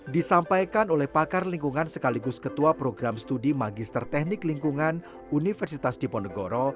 disampaikan oleh pakar lingkungan sekaligus ketua program studi magister teknik lingkungan universitas diponegoro